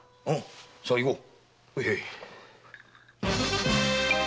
さあいこう！